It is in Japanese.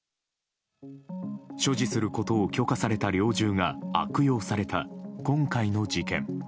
所持することを許可された猟銃が悪用された、今回の事件。